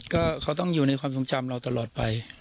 ก็เขาต้องอยู่ในความทรงจำเราตลอดไป